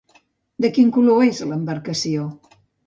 De quin color és l'embarcació?